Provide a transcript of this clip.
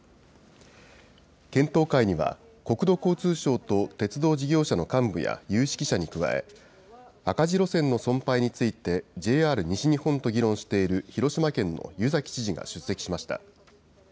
検討会には、国土交通省と鉄道事業者の幹部や有識者に加え、赤字路線の存廃について、ＪＲ西日本と議論している広島県の湯崎知事が出席しました。